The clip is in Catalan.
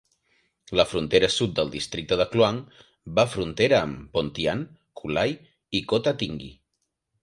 La frontera sud del districte de Kluang va frontera amb Pontian, Kulai i Kota Tinggi.